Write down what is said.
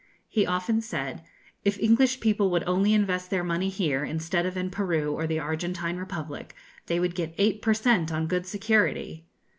He often said,' If English people would only invest their money here, instead of in Peru or the Argentine Republic, they would get eight per cent, on good security.'